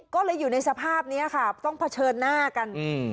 ก็เลยอยู่ในสภาพนี้ค่ะต้องเผชิญหน้ากันอืม